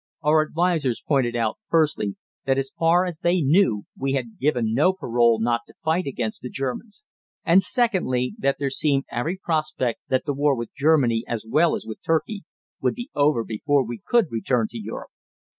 Our advisers pointed out, firstly, that as far as they knew we had given no parole not to fight against the Germans; and, secondly, that there seemed every prospect that the war with Germany as well as with Turkey would be over before we could return to Europe.